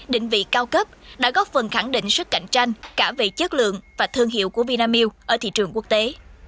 định vị cao cấp đã góp phần khẳng định sức cạnh tranh cả về chất lượng và thương hiệu của vinamilk ở thị trường quốc tế